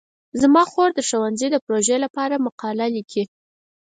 زما خور د ښوونځي د پروژې لپاره مقاله لیکي.